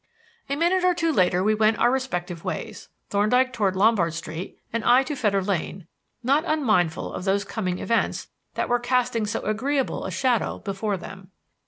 A minute or two later we went our respective ways, Thorndyke toward Lombard Street and I to Fetter Lane, not unmindful of those coming events that were casting so agreeable a shadow before them.